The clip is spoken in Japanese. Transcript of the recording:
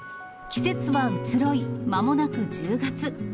季節は移ろい、まもなく１０月。